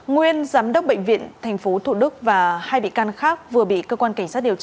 nguyên giám đốc bệnh viện tp thủ đức và hai bị can khác vừa bị cơ quan cảnh sát điều tra